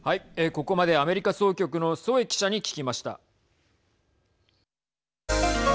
ここまでアメリカ総局の添記者に聞きました。